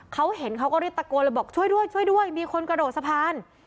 เขาเห็นเขาก็รีบตะโกนเลยบอกช่วยด้วยช่วยด้วยมีคนกระโดดสะพาน